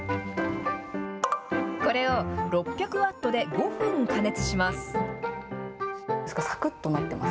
これを６００ワットで５分加熱します。